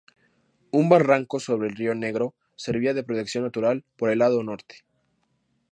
Un barranco sobre el río Negro servía de protección natural por el lado norte.